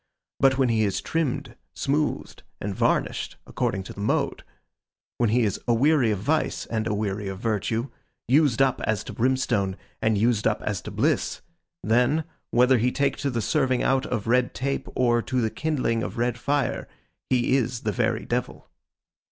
But, when he is trimmed, smoothed, and varnished, according to the mode; when he is aweary of vice, and aweary of virtue, used up as to brimstone, and used up as to bliss; then, whether he take to the serving out of red tape, or to the kindling of red fire, he is the very Devil.